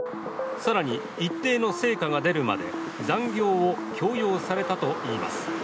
更に、一定の成果が出るまで残業を強要されたといいます。